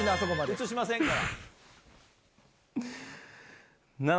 映しませんから。